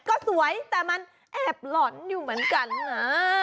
ก็สวยแต่มันแอบหล่อนอยู่เหมือนกันนะ